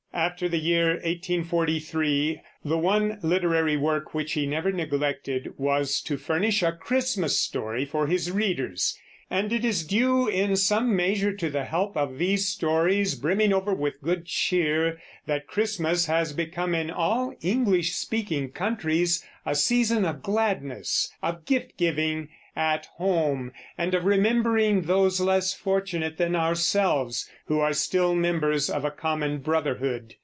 After the year 1843 the one literary work which he never neglected was to furnish a Christmas story for his readers; and it is due in some measure to the help of these stories, brimming over with good cheer, that Christmas has become in all English speaking countries a season of gladness, of gift giving at home, and of remembering those less fortunate than ourselves, who are still members of a common brotherhood.